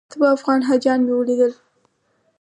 دوه افغان حاجیان مې ولیدل.